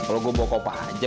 kalau gue mau kopah aja